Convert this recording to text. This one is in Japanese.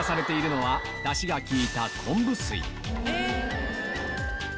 はい！